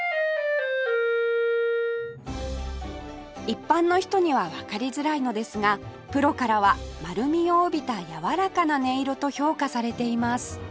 一般の人にはわかりづらいのですがプロからは「丸みを帯びたやわらかな音色」と評価されています